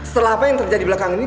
setelah apa yang terjadi belakang ini